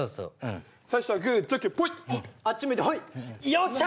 よっしゃ！